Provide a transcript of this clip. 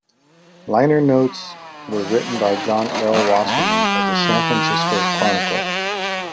Liner notes were written by John L. Wasserman of the San Francisco Chronicle.